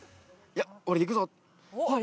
いや俺いくぞあっ